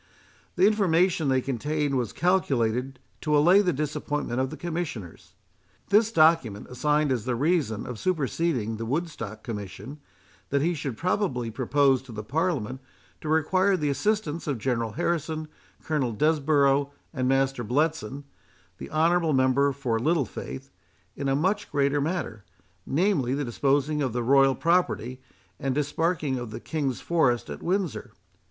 The information they contained was calculated to allay the disappointment of the Commissioners. This document assigned as the reason of superseding the Woodstock Commission, that he should probably propose to the Parliament to require the assistance of General Harrison, Colonel Desborough, and Master Bletson, the honourable member for Littlefaith, in a much greater matter, namely, the disposing of the royal property, and disparking of the King's forest at Windsor.